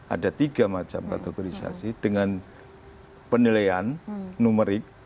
ada tiga macam kategorisasi dengan penilaian numerik